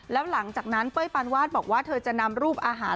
แล้วหลังจากนั้นเป้ยปานวาดบอกว่าเธอจะนำรูปอาหาร